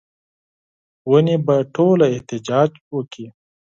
ونې به ټوله احتجاج وکړي